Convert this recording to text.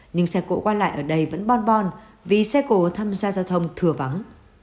nhưng xe cộ qua lại ở đây vẫn bon bon vì xe cổ tham gia giao thông thừa vắng